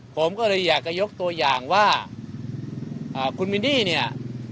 ผมก็เลยอยากจะยกตัวอย่างว่าคุณมินนี่เนี่ย